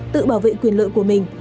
tự bảo vệ quyền lợi của mình